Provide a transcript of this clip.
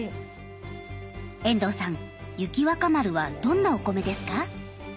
遠藤さん雪若丸はどんなお米ですか？